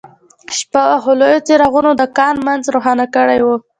شپه وه خو لویو څراغونو د کان منځ روښانه کړی و